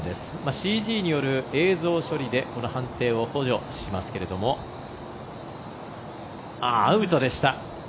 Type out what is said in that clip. ＣＧによる映像処理で判定を補助しますけどアウトでした。